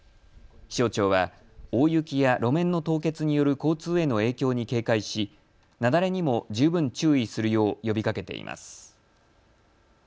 気象庁は大雪や路面の凍結による交通への影響に警戒し雪崩にも十分注意するよう呼びかけています。